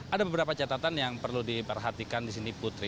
ada beberapa catatan yang perlu diperhatikan di sini putri